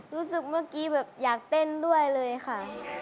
รู้สึกเมื่อกี้แบบอยากเต้นด้วยเลยค่ะ